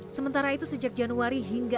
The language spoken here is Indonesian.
sementara itu sejak januari hingga